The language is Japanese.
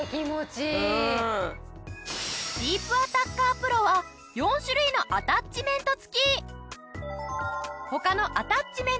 ディープアタッカープロは４種類のアタッチメント付き！